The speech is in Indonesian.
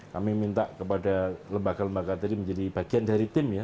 kami minta kepada lembaga lembaga tadi menjadi bagian dari tim ya